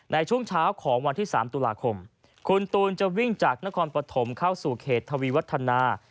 ในช่วงเช้าของวันที่๓ตุลาคมคุณตูนจะวิ่งจากนครปฐมเข้าสู่เขตทวีวัฒนา